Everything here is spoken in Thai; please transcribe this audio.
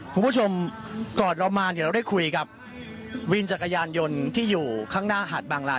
คุณผู้ชมก่อนเรามาเนี่ยเราได้คุยกับวินจักรยานยนต์ที่อยู่ข้างหน้าหาดบางลา